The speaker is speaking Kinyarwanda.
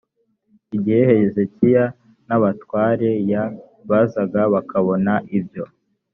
igihe hezekiya n abatware y bazaga bakabona ibyo